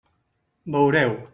Veureu.